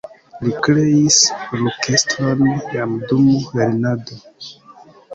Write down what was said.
Li kreis orkestron jam dum lernado.